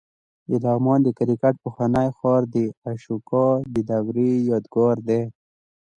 د لغمان د کرکټ پخوانی ښار د اشوکا د دورې یادګار دی